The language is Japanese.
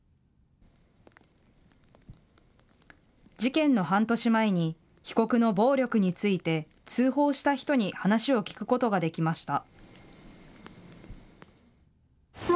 事件の半年前に被告の暴力について通報した人に話を聞くことができました。